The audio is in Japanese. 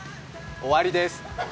終わりです。